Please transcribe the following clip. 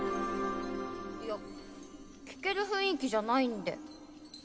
いや聞ける雰囲気じゃないんで。